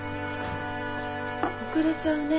遅れちゃうね。